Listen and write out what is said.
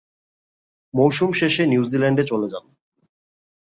মৌসুম শেষে নিউজিল্যান্ডে চলে যান।